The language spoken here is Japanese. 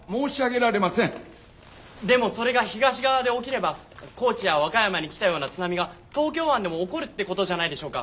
でもそれが東側で起きれば高知や和歌山に来たような津波が東京湾でも起こるってことじゃないでしょうか？